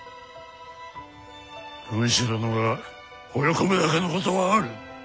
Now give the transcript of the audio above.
軍師殿がほれ込むだけのことはある。